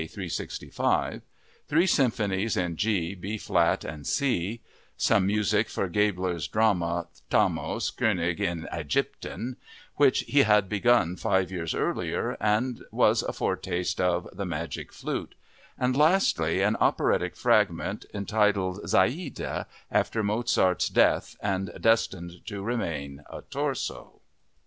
365); three symphonies in G, B flat, and C; some music for Gebler's drama, Thamos, König in Aegypten, which he had begun five years earlier and was a foretaste of The Magic Flute; and lastly, an operatic fragment, entitled Zaide after Mozart's death and destined to remain a torso.